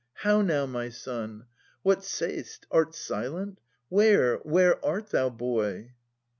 How now, my son? What say'st? Art silent? Where— where art thou, boy?